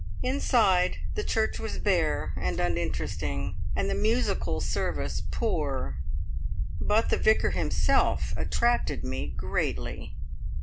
Inside, the church was bare and uninteresting, and the musical service poor, but the Vicar himself attracted me greatly.